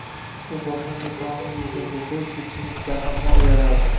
U boshini Nikolayning yelkasiga qoʻyib ketishni istar, ammo uyalardi